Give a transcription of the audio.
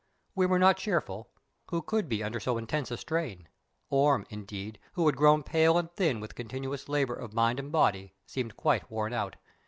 We were not cheerful; who could be under so intense a strain? Orme, indeed, who had grown pale and thin with continuous labour of mind and body, seemed quite worn out.